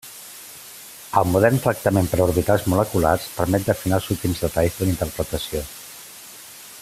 El modern tractament per orbitals moleculars permet d'afinar els últims detalls de la interpretació.